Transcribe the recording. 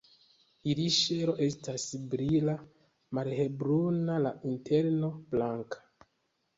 Ilia ŝelo estas brila, malhelbruna, la interno blanka.